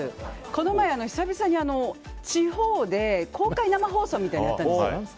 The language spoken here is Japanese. この前、久々に地方で公開生放送みたいなのをやったんですよ。